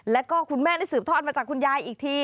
แล้วก็คุณแม่นี่สืบทอดมาจากคุณยายอีกที